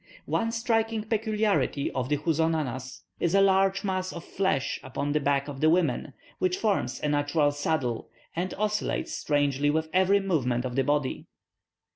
One striking peculiarity of the Houzonanas is a large mass of flesh upon the back of the women, which forms a natural saddle, and oscillates strangely with every movement of the body.